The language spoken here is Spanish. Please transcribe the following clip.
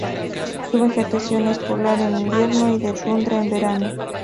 Su vegetación es polar en invierno y de tundra en verano.